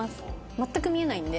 全く見えないんで。